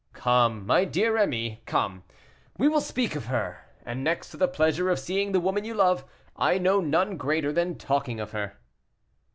"Come, my dear Rémy, come. We will speak of her; and next to the pleasure of seeing the woman you love, I know none greater than talking of her."